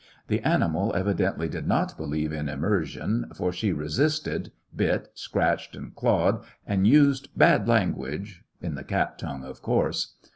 The animal evidently did not believe in immersion^ for she re sisted, bitj scratched and clawed and used bad language— in the cat tongue^ of course.